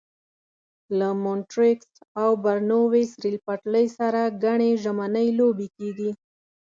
له مونټریکس او برنویس ریل پټلۍ سره ګڼې ژمنۍ لوبې کېږي.